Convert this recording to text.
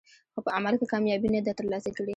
خو په عمل کې کامیابي نه ده ترلاسه کړې.